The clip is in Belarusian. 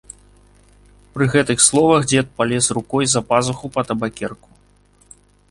Пры гэтых словах дзед палез рукой за пазуху па табакерку.